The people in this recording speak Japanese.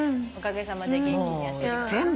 おかげさまで元気にやっております。